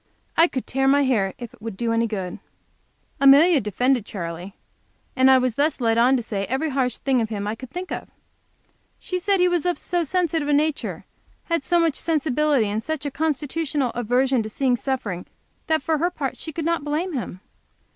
I could tear my hair if it would do any good? Amelia defended Charley, and I was thus led on to say every harsh thing of him I could think of. She said he was of so sensitive a nature, had so much sensibility, and such a constitutional aversion to seeing suffering, that for her part she could not blame him.